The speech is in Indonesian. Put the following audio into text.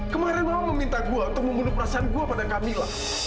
kemarin mama meminta gue untuk membunuh perasaan gue pada kami lah